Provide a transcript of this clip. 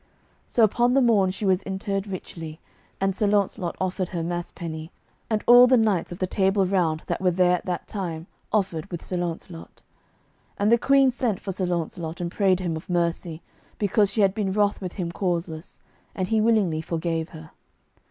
So upon the morn she was interred richly, and Sir Launcelot offered her mass penny, and all the knights of the Table Round that were there at that time offered with Sir Launcelot. And the Queen sent for Sir Launcelot, and prayed him of mercy, because she had been wroth with him causeless, and he willingly forgave her.